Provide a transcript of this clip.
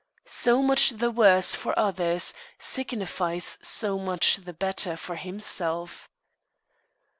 So much the worse for others, signifies so much the better for himself.